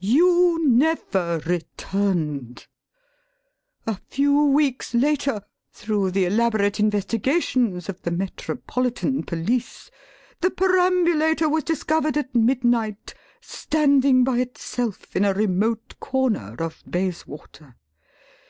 You never returned. A few weeks later, through the elaborate investigations of the Metropolitan police, the perambulator was discovered at midnight, standing by itself in a remote corner of Bayswater.